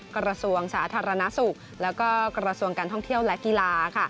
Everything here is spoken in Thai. กระทรวงสาธารณสุขแล้วก็กระทรวงการท่องเที่ยวและกีฬาค่ะ